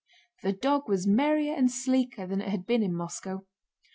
The dog was merrier and sleeker than it had been in Moscow.